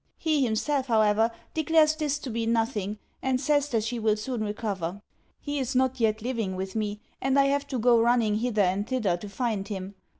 He himself, however, declares this to be nothing, and says that she will soon recover. He is not yet living with me, and I have to go running hither and thither to find him.